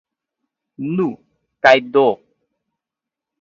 Nu, kaj do!